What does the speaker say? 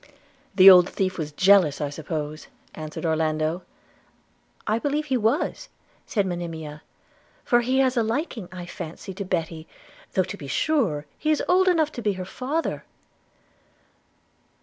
'The old thief was jealous, I suppose,' answered Orlando. 'I believe he was,' said Monimia; 'for he has a liking, I fancy, to Betty, though to be sure he is old enough to be her father.'